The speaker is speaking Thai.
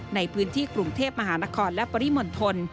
ในพื้นที่กรุงเทพมหานครและปริมณฑล